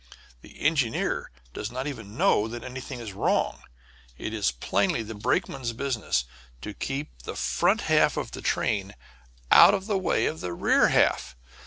The engineer does not even know that anything is wrong. It is plainly the brakeman's business to keep the front half of the train out of the way of the rear half.